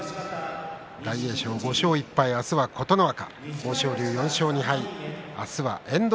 大栄翔５勝１敗明日は琴ノ若です。